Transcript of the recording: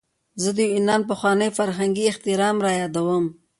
زه د یونان پخوانی فرهنګي احترام رایادوم.